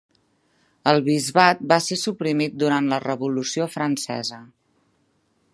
El bisbat va ser suprimit durant la revolució francesa.